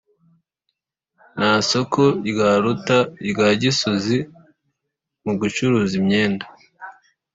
Ntasoko ryaruta irya gisozi mugucuruza imyenda